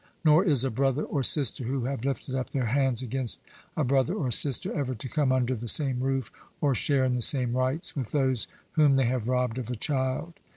Nor is a brother or sister who have lifted up their hands against a brother or sister, ever to come under the same roof or share in the same rites with those whom they have robbed of a child.